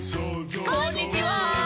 「こんにちは」